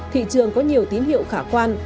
thị trường có nhiều tín hiệu khả quan